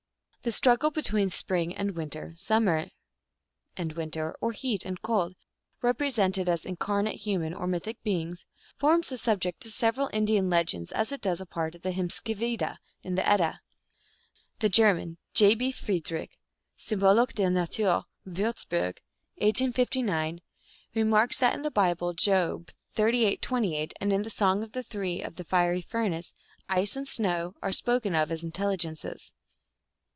The struggle between Spring and Winter, Summer and Winter, or Heat and Cold, represented as incarnate human or mythic beings, forms the subject of several Indian legends, as it does a part of the Hymiskvida, in the Edda. The German J. B. Friedreich (Symbo lik der Natur, Wiirzburg, 1859) remarks that in the Bible, Job xxxviii. 28, and in the Song of the Three in the Fiery Furnace, Ice and Snow are spoken of as intelligences.